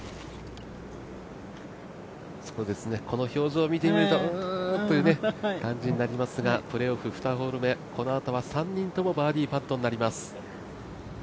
この表情を見てみると「うん」という感じになりますがプレーオフ２ホール目、このあとは３人ともバーディーパットになります。